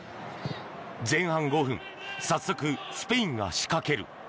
前半５分早速スペインが仕掛ける。